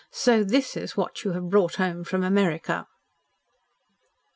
"So THIS is what you have brought home from America!"